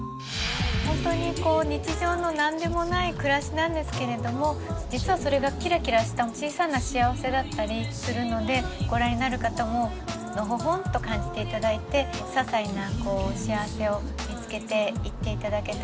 本当にこう日常の何でもない暮らしなんですけれども実はそれがキラキラした小さな幸せだったりするのでご覧になる方ものほほんと感じて頂いてささいな幸せを見つけていって頂けたらなっていうふうに思ってます。